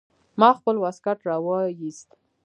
ما خپل واسکټ راوايست.